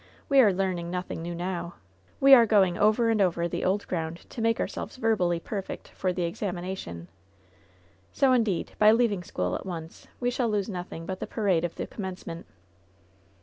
We are learning nothing new now. We are going over and over the old ground to make ourselves verbally perfect for the examination. So, indeed, by leaving school at once we shall lose nothing but the parade of the commencement."